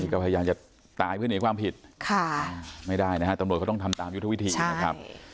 ก็พยายามจะตายเพื่อหนีความผิดไม่ได้นะฮะตำรวจก็ต้องทำตามยุทธวิธีนะครับ